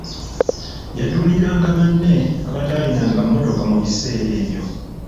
Yaduuliranga banne abatalinanga mmotoka mu biseera ebyo.